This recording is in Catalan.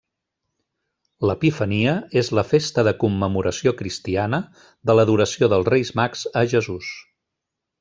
L'Epifania és la festa de commemoració cristiana de l'Adoració dels Reis Mags a Jesús.